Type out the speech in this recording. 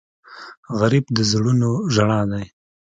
غریب د زړونو ژړا دی